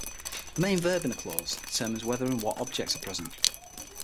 The main verb in a clause determines whether and what objects are present.